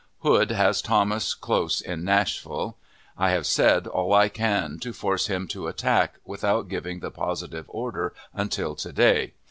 Hood has Thomas close in Nashville. I have said all I can to force him to attack, without giving the positive order until to day.